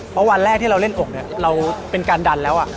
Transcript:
เพราะวันแรกที่เราเล่นอกเนี่ยเราเป็นการดันแล้ว